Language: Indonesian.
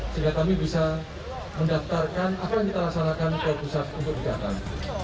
sehingga kami bisa mendaftarkan apa yang diterasakan perusahaan untuk kejahatan